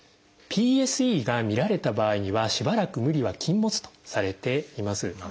ＰＥＳＥが見られた場合にはしばらく無理は禁物とされています。